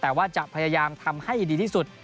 แต่ว่าจะพยายามทำให้ดีที่สุด